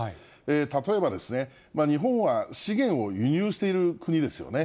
例えばですね、日本は資源を輸入している国ですよね。